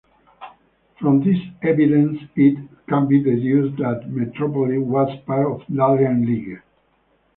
From this evidence it can be deduced that Metropolis was part of Delian League.